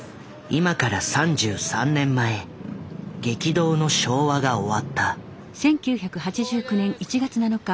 今から３３年前激動の昭和が終わった。